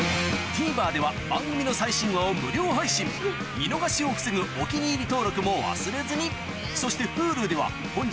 ＴＶｅｒでは番組の最新話を無料配信見逃しを防ぐ「お気に入り」登録も忘れずにそしてＨｕｌｕでは本日の放送も過去の放送も配信中